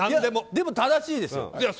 でも正しいですよ。